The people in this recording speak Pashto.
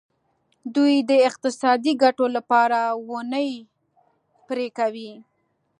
دوی د اقتصادي ګټو لپاره ونې پرې کوي.